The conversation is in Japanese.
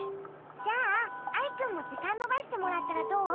じゃあアイくんもじかんのばしてもらったらどう？